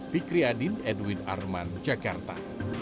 fikri adin edwin arman jakarta